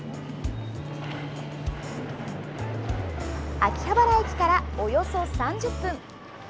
秋葉原駅からおよそ３０分。